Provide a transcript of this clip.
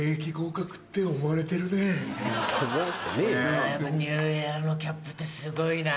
やっぱニューエラのキャップってすごいなぁ。